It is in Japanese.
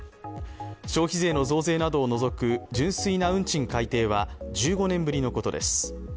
消費税の増税などを除く純粋な運賃改定は１５年ぶりのことです。